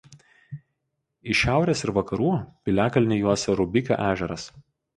Iš šiaurės ir vakarų piliakalnį juosia Rubikių ežeras.